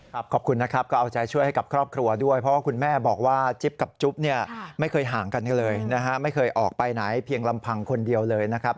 ขอบคุณนะครับก็เอาใจช่วยให้กับครอบครัวด้วยเพราะว่าคุณแม่บอกว่าจิ๊บกับจุ๊บเนี่ยไม่เคยห่างกันกันเลยนะฮะไม่เคยออกไปไหนเพียงลำพังคนเดียวเลยนะครับ